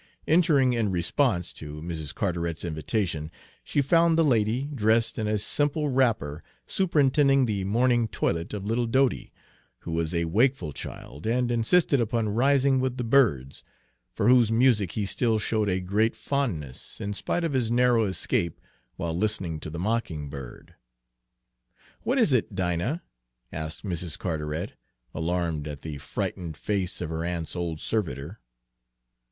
Entering in response to Mrs. Carteret's invitation, she found the lady, dressed in a simple wrapper, superintending the morning toilet of little Dodie, who was a wakeful child, and insisted upon rising with the birds, for whose music he still showed a great fondness, in spite of his narrow escape while listening to the mockingbird. "What is it, Dinah?" asked Mrs. Carteret, alarmed at the frightened face of her aunt's old servitor.